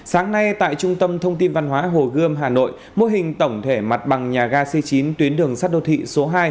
sáng nay tại trung tâm thông tin văn hóa hồ gươm hà nội mô hình tổng thể mặt bằng nhà ga c chín tuyến đường sắt đô thị số hai